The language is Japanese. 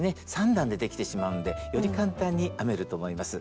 ３段でできてしまうんでより簡単に編めると思います。